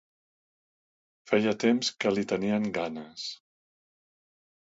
Feia temps que li tenien ganes.